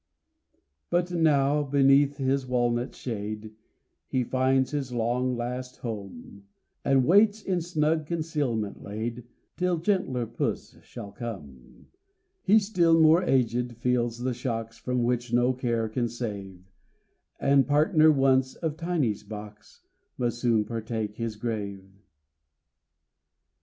But now beneath his walnut shade He finds his long last home, And waits, in snug concealment laid, Till gentler Puss shall come. He, still more aged, feels the shocks From which no care can save, And, partner once of Tiney's box, Must soon partake his grave.